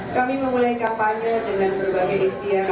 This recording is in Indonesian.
kami memulai kampanye dengan berbagai ikhtiar